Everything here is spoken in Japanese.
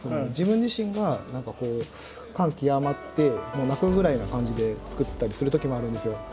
自分自身が何かこう感極まってもう泣くぐらいな感じで作ったりするときもあるんですよ